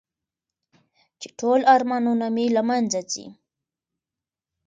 چې ټول ارمانونه مې له منځه ځي .